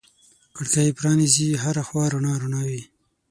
کړکۍ پرانیزې هر خوا رڼا رڼا وي